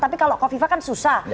tapi kalau kofifa kan susah